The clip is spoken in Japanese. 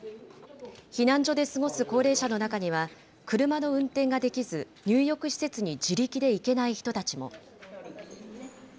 避難所で過ごす高齢者の中には、車の運転ができず、入浴施設に自力で行けない人たちも。